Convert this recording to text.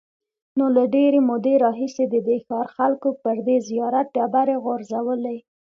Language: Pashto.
نو له ډېرې مودې راهیسې د دې ښار خلکو پر دې زیارت ډبرې غورځولې.